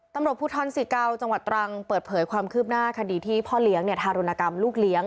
ตำรวจภูทรศรีเกาจังหวัดตรังเปิดเผยความคืบหน้าคดีที่พ่อเลี้ยงทารุณกรรมลูกเลี้ยง